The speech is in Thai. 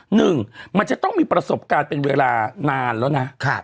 หนึ่งมันจะต้องมีประสบการณ์เป็นเวลานานแล้วนะ